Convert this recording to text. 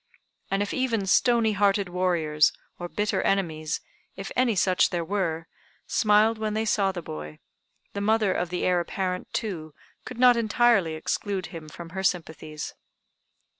And if even stony hearted warriors, or bitter enemies, if any such there were, smiled when they saw the boy, the mother of the heir apparent, too, could not entirely exclude him from her sympathies.